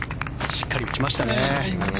しっかり打ちましたね。